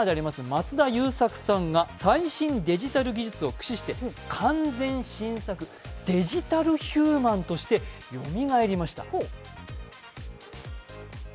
松田優作さんが最新デジタル技術を駆使して完全新作デジタルヒューマンとしてよみがえりました。